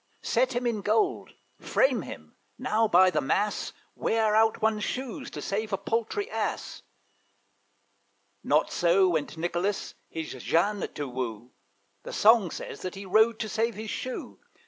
Set him in gold frame him now, by the mass, Wear out one's shoes, to save a paltry Ass! Not so went Nicolas his Jeanne to woo; The song says that he rode to save his shoe.